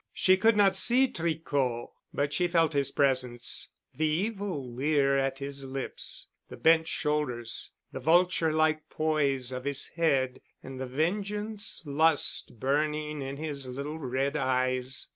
She could not see Tricot, but she felt his presence, the evil leer at his lips, the bent shoulders, the vulture like poise of his head and the vengeance lust burning in his little red eyes.